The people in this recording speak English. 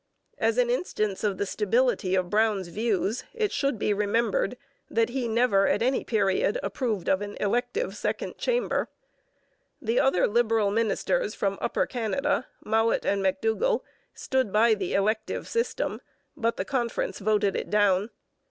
As an instance of the stability of Brown's views, it should be remembered that he never, at any period, approved of an elective second chamber. The other Liberal ministers from Upper Canada, Mowat and McDougall, stood by the elective system, but the conference voted it down.